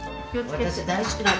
私大好きなの。